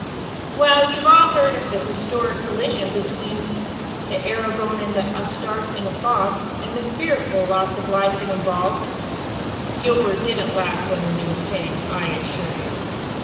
"Well, you've all heard of the historic collision between the Aragon and the Astarte in a fog, and the fearful loss of life it involved. Gilbert didn't laugh when the news came, I assure you.